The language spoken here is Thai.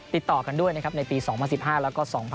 ติดต่อกันด้วยนะครับในปี๒๐๑๕แล้วก็๒๐๑๖